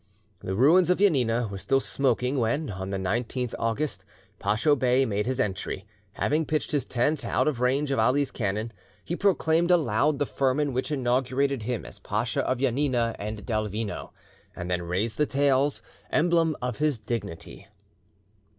The ruins of Janina were still smoking when, on the 19th August, Pacho Bey made his entry. Having pitched his tent out of range of Ali's cannon, he proclaimed aloud the firman which inaugurated him as Pacha of Janina and Delvino, and then raised the tails, emblem of his dignity.